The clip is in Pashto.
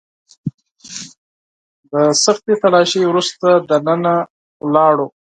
د سختې تلاشۍ وروسته دننه لاړو.